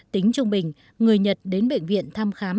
tính trung bình người nhật đến bệnh viện thăm khám